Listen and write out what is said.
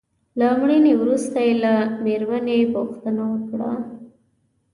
له مړینې وروسته يې له مېرمنې پوښتنه وکړه.